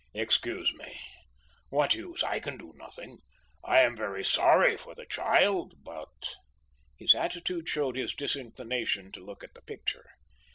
"Excuse me. What use? I can do nothing. I am very sorry for the child, but " His very attitude showed his disinclination to look at the picture.